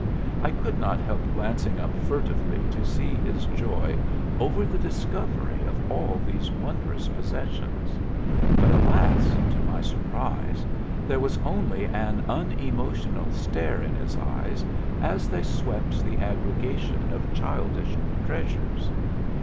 I could not help glancing up furtively to see his joy over the discovery of all these wondrous possessions, but alas, to my surprise, there was only an unemotional stare in his eyes as they swept the aggregation of childish treasures.